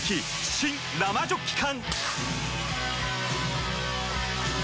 新・生ジョッキ缶！